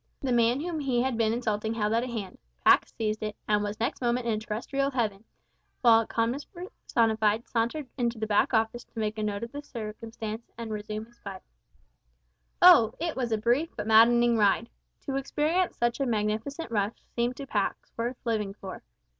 The man whom he had been insulting held out a hand; Pax seized it, and was next moment in a terrestrial heaven, while calmness personified sauntered into the back office to make a note of the circumstance, and resume his pipe. Oh! it was a brief but maddening ride. To experience such a magnificent rush seemed to Pax worth living for.